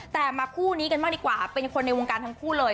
แต่มาคู่นี้กันบ้างดีกว่าเป็นคนในวงการทั้งคู่เลย